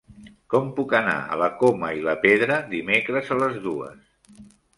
Com puc anar a la Coma i la Pedra dimecres a les dues?